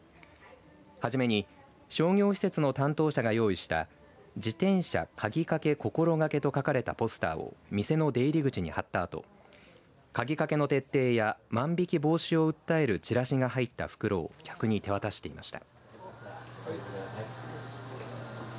初めに商業施設の担当者が用意した自転車鍵かけ心がけと書かれたポスターを店の出入り口に貼ったあと鍵かけの徹底や万引防止を訴えるチラシが入った袋を客に手渡していました。